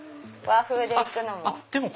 和風で行くのも。